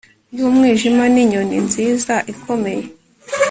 yumwijima ninyoni nziza ikomeye